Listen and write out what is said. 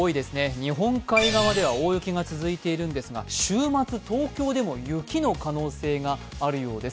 日本海側では大雪が続いているんですが週末、東京でも雪の可能性があるようです。